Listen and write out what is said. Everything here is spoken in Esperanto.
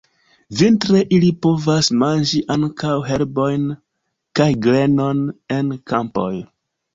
Vintre ili povas manĝi ankaŭ herbojn kaj grenon en kampoj.